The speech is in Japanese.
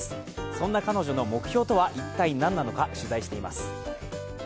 そんな彼女の目標とは一体何なのか、取材しています。